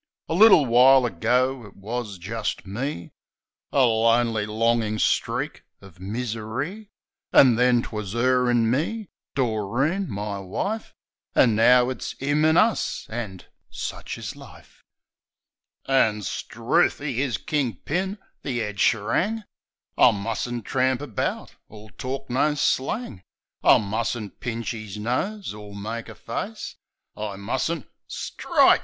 A little while ago it was jist "me" — A lonely, longin' streak o' misery. An' then 'twas " 'er an' me" — Doreen, my wife ! An' now it's " 'im an' us" an' — sich is life. 102 THE SENTIMENTAL BLOKE But 'struth! 'e is king pin! The 'ead serang! I mustn't tramp about, or talk no slang; I mustn't pinch 'is nose, or make a face, I must'nt — Strike!